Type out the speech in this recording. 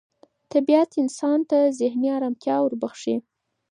طبیعت انسان ته ذهني ارامتیا وربخښي